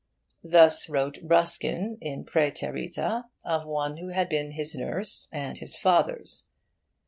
Thus wrote Ruskin, in Praeterita, of one who had been his nurse, and his father's.